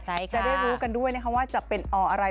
จะได้รู้กันด้วยนะคะว่าจะเป็นออะไร